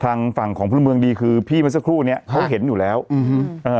ทางฝั่งของพลเมืองดีคือพี่เมื่อสักครู่เนี้ยเขาเห็นอยู่แล้วอืมเอ่อ